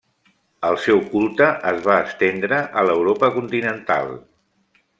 El seu culte es va estendre a l'Europa continental.